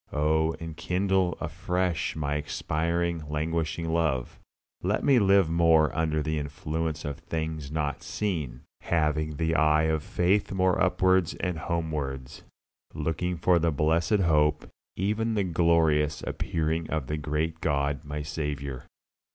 Oh enkindle afresh my expiring, languishing love; let me live more under the influence of "things not seen," having the eye of faith more upwards and homewards, looking for that blessed hope, even the glorious appearing of the great God my Saviour.